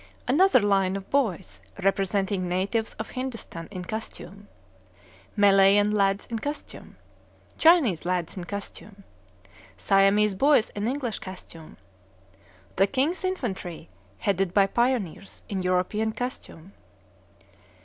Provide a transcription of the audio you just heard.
Another line of boys, representing natives of Hindostan in costume. Malayan lads in costume. Chinese lads in costume. Siamese boys in English costume. The king's infantry, headed by pioneers, in European costume.